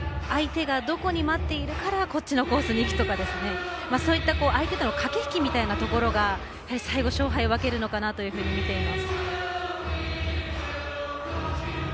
相手がどこに待っているからこっちのコースにいくとかそういった相手との駆け引きみたいなところが最後、勝敗を分けるのかなと見ています。